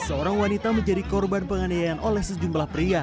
seorang wanita menjadi korban penganiayaan oleh sejumlah pria